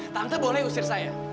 tante boleh usir saya